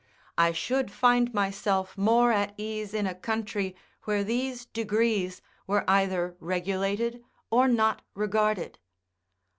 I should find myself more at ease in a country where these degrees were either regulated or not regarded.